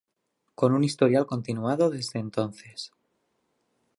Con un historial continuado desde entonces.